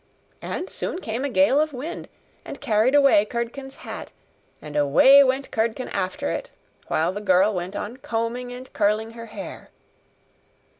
And soon came a gale of wind, and carried away Curdken's hat, and away went Curdken after it, while the girl went on combing and curling her hair.